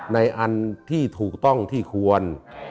อันที่ถูกต้องที่ควร